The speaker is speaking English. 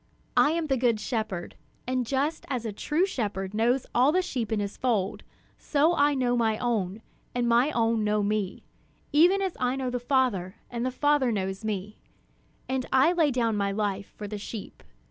"I am the good shepherd; and just as a true shepherd knows all the sheep in his fold, so I know my own, and my own know me, even as I know the Father, and the Father knows me; and I lay down my life for the sheep.